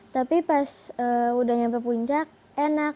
tapi pas udah sampai puncak enak